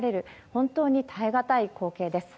本当に耐えがたい光景です。